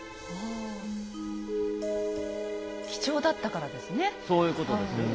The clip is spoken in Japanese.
貴重だったからですね。